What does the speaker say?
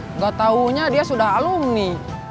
nggak tahunya dia sudah alumni